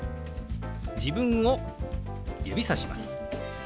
自分を指さします。